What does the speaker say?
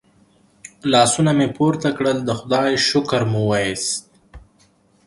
لاسونه مې پورته کړل د خدای شکر مو وایست.